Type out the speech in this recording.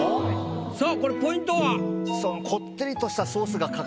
さあこれポイントは？